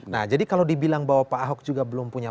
nah jadi kalau dibilang bahwa pak ahok juga belum punya